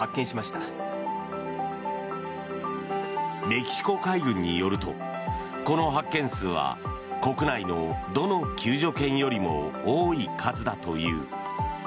メキシコ海軍によるとこの発見数は国内の、どの救助犬よりも多い数だという。